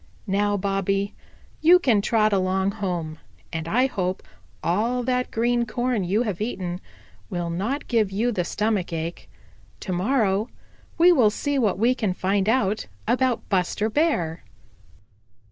"Now, Bobby, you can trot along home, and I hope all that green corn you have eaten will not give you the stomach ache. To morrow we will see what we can find out about Buster Bear."